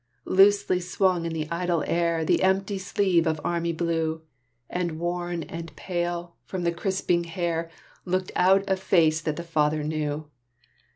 Loosely swung in the idle air The empty sleeve of army blue; And worn and pale, from the crisping hair, Looked out a face that the father knew.